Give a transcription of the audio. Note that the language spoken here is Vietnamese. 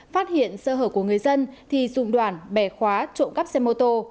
phát hiện sơ hở của người dân thì dùng đoạn bè khóa trộm cắp xe mô tô